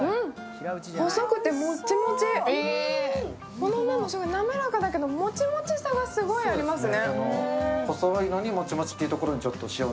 この麺もすごいなめらかだけど、もちもちさがすごいありますね。